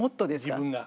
自分が。